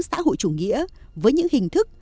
xã hội chủ nghĩa với những hình thức